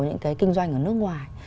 những cái kinh doanh ở nước ngoài